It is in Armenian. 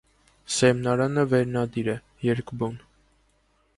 Սերմնարանը վերնադիր է, երկբուն։